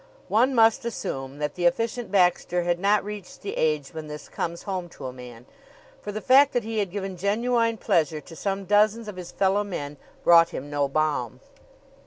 One must assume that the Efficient Baxter had not reached the age when this comes home to a man, for the fact that he had given genuine pleasure to some dozens of his fellow men brought him no balm.